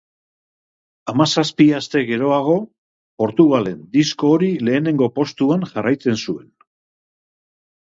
Hamazazpi aste geroago, Portugalen disko hori lehenengo postuan jarraitzen zuen.